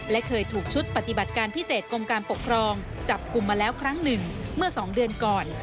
และเคยถูกชุดปฏิบัติการพิเศษกรมการปกครองจับกลุ่มมาแล้วครั้งหนึ่งเมื่อ๒เดือนก่อน